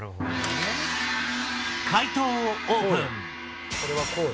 解答をオープン。